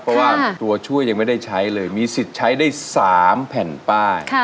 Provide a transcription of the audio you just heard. เพราะว่าตัวช่วยยังไม่ได้ใช้เลยมีสิทธิ์ใช้ได้๓แผ่นป้าย